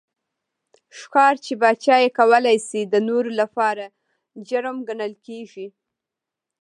ښکار چې پاچا یې کولای شي د نورو لپاره جرم ګڼل کېږي.